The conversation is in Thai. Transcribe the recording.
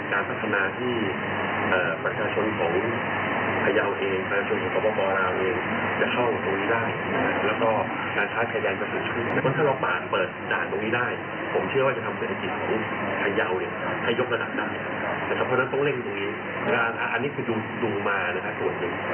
ให้ยกระดับได้เพราะฉะนั้นต้องเร่งตรงนี้อันนี้คือดูมาส่วนนึง